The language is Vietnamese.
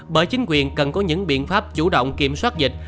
bởi chính quyền cần có những biện pháp chủ động kiểm soát dịch